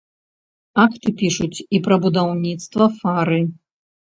Акты пішуць і пра будаўніцтва фары.